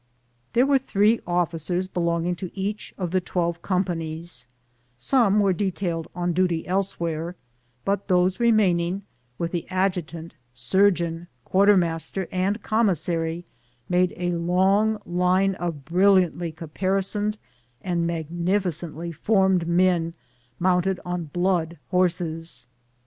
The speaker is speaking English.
There were three officere belonging to each of the twelve com panies; some were detailed on duty elsewhere, but those remaining, with the adjutant, surgeon, quarter master, and commissary, made a long line of brilliantly caparisoned and magnificently formed men mounted on blood horses.